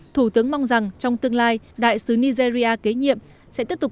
thủ tướng mong rằng trong tương lai đại sứ nigeria kế nhiệm sẽ tiếp tục